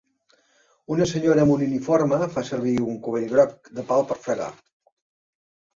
Una senyora amb un uniforme fa servir un cubell groc de pal de fregar.